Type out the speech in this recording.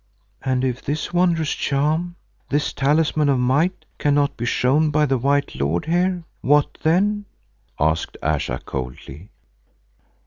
"And if this wondrous charm, this talisman of might, cannot be shown by the white lord here, what then?" asked Ayesha coldly.